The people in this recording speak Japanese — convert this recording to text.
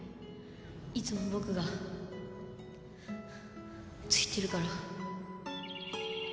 いつも僕がついてるから